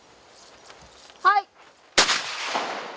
はい。